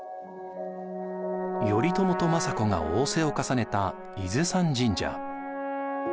頼朝と政子がおうせを重ねた伊豆山神社。